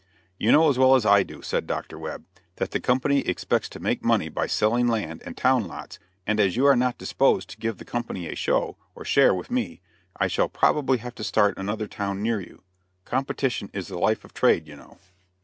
"You know as well as I do," said Dr. Webb, "that the company expects to make money by selling lands and town lots; and as you are not disposed to give the company a show, or share with me, I shall probably have to start another town near you. Competition is the life of trade, you know."